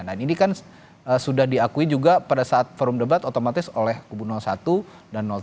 nah ini kan sudah diakui juga pada saat forum debat otomatis oleh kubu satu dan dua